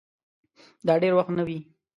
دا دېر وخت نه وې